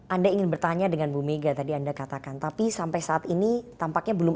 anda ingin bertanya dengan bu mega tadi anda katakan tapi sampai saat ini tampaknya belum